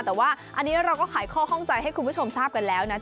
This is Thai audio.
แต่ว่าอันนี้เราก็ขายข้อข้องใจให้คุณผู้ชมทราบกันแล้วนะจ